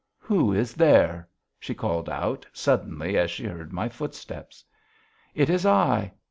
Who is there?" she called out suddenly as she heard my footsteps. "It is I."